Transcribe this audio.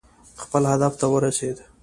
خپل هدف ته ورسېد.